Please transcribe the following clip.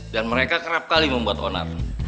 dan mereka kerap kali membuat onar